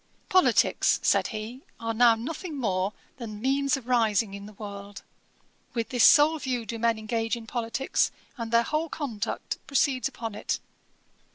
'Politicks (said he) are now nothing more than means of rising in the world. With this sole view do men engage in politicks, and their whole conduct proceeds upon it.